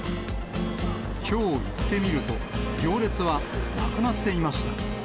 きょう行ってみると、行列はなくなっていました。